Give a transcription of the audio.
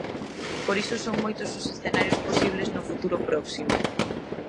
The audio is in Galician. Por iso son moitos os escenarios posibles no futuro próximo.